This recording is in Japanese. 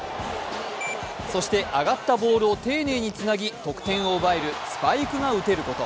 そして上がったボールを丁寧につなぎ得点を奪えるスパイクが打てること。